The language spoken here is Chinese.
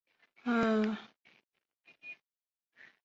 白俄是一种白色的甜鸡尾酒。